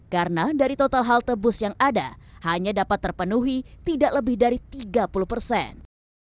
karena dari total halte bus yang ada hanya dapat terpenuhi tidak lebih dari tiga puluh persen